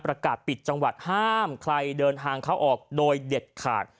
ประกาศปิดจังหวัดห้ามใครเดินทางเข้าออกโดยเด็ดขาด